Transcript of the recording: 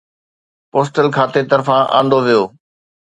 postal کاتي طرفان آندو ويو